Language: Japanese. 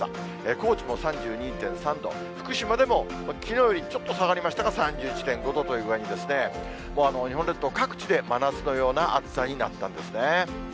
高知も３２．３度、福島でもきのうよりちょっと下がりましたが、３１．５度という具合にですね、もう日本列島、各地で真夏のような暑さになったんですね。